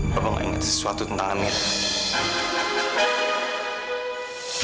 bapak gak ingat sesuatu tentang amit